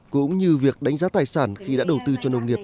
cũng như việc đánh giá tài sản khi đã đầu tư cho nông nghiệp